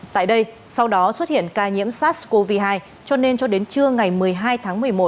tại đây sau đó xuất hiện ca nhiễm sars cov hai cho nên cho đến trưa ngày một mươi hai tháng một mươi một